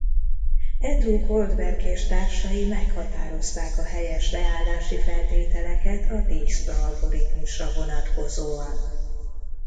Andrew Goldberg és társai meghatározták a helyes leállási feltételeket a Dijkstra-algoritmusra vonatkozóan.